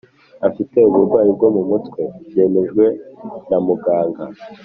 Afite uburwayi bwo mu mutwe byemejwe na muganga